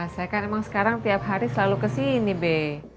saya kan emang sekarang tiap hari selalu kesini be